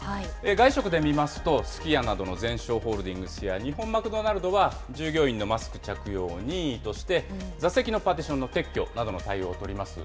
外食で見ますと、すき家などのゼンショーホールディングスや日本マクドナルドは、従業員のマスク着用を任意として、座席のパーティションの撤去などの対応を取ります。